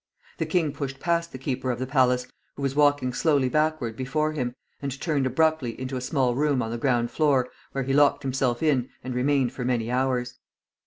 The king pushed past the keeper of the palace, who was walking slowly backward before him, and turned abruptly into a small room on the ground floor, where he locked himself in and remained for many hours.